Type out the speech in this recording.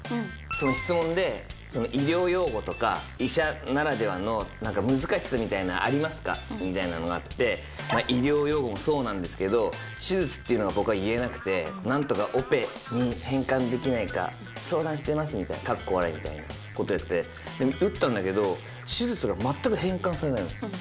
その質問で、医療用語とか、医者ならではのなんか難しさみたいなのありますかみたいなのがあって、医療用語もそうなんですけど、手術っていうのが僕は言えなくて、なんとかオペに変換できないか、相談していますみたいな、かっこ笑いみたいな、ことやって、でも打ったんだけど、手術が全く変換されないの。